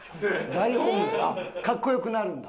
大本命かっこ良くなるんだ？